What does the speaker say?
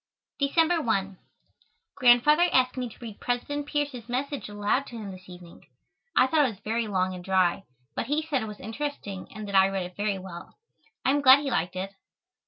December 1. Grandfather asked me to read President Pierce's message aloud to him this evening. I thought it was very long and dry, but he said it was interesting and that I read it very well. I am glad he liked it.